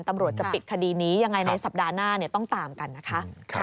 ตำรวจจะปิดคดีนี้ยังไงในสัปดาห์หน้าต้องตามกันนะคะ